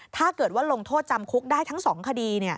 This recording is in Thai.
ถ้าเกิดว่าลงโทษจำคุกได้ทั้ง๒คดี